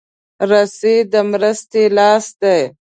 رسۍ د مرستې لاس دی.